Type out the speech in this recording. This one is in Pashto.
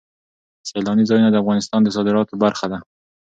سیلانی ځایونه د افغانستان د صادراتو برخه ده.